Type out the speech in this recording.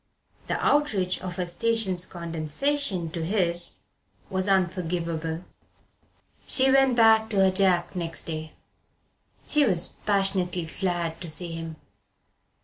The outrage of her station's condescension to his was unforgivable. She went back to her Jack next day. She was passionately glad to see him.